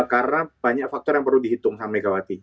karena banyak faktor yang perlu dihitung sama megawati